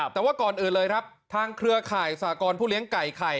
แต่ว่าก่อนอื่นเลยครับทางเครือข่ายสากรผู้เลี้ยงไก่ไข่